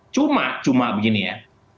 cuma cuma begini ya